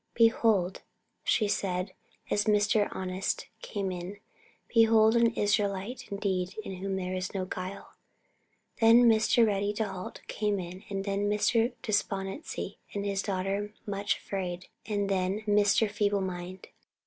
"Behold," she said, as Mr. Honest came in "Behold an Israelite indeed, in whom is no guile!" Then Mr. Ready to halt came in, and then Mr. Despondency and his daughter Much afraid, and then Mr. Feeble mind.